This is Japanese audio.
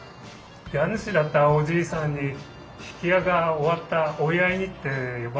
家主だったおじいさんに曳家が終わったお祝いにって呼ばれたんですよ。